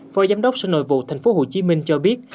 phó giám đốc sở nội vụ tp hcm cho biết